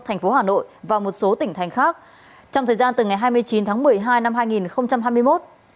thành phố hà nội và một số tỉnh thành khác trong thời gian từ ngày hai mươi chín tháng một mươi hai năm hai nghìn hai mươi một